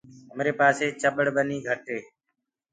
همري پآسي چڀڙ ٻني گھٽ هي۔